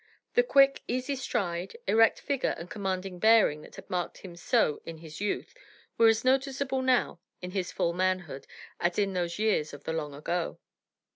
The quick, easy stride, erect figure and commanding bearing that had marked him so in his youth were as noticeable now, in his full manhood, as in those years of the long ago.